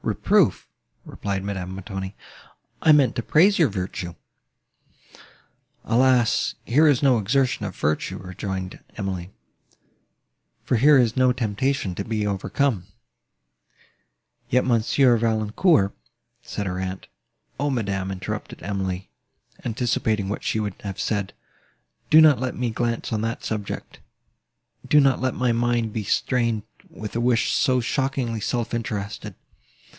"Reproof!" replied Madame Montoni: "I meant to praise your virtue." "Alas! here is no exertion of virtue," rejoined Emily, "for here is no temptation to be overcome." "Yet Monsieur Valancourt—" said her aunt. "O, madam!" interrupted Emily, anticipating what she would have said, "do not let me glance on that subject: do not let my mind be stained with a wish so shockingly self interested."